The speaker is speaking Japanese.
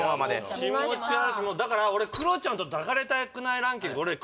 気持ち悪いだから俺クロちゃんと抱かれたくないランキング